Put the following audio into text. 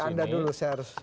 anda dulu saya harus